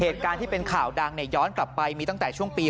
เหตุการณ์ที่เป็นข่าวดังย้อนกลับไปมีตั้งแต่ช่วงปี๒๕